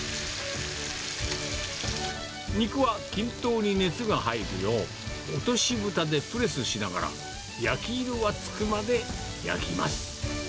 肉は均等に熱が入るよう、落としぶたでプレスしながら、焼き色がつくまで焼きます。